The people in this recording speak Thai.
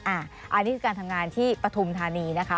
อันนี้คือการทำงานที่ปฐุมธานีนะคะ